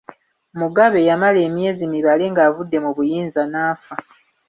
Mugabe yamala emyezi mibale ng’avudde mu buyinza n’afa.